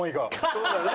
そうだね。